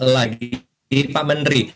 lagi pak menteri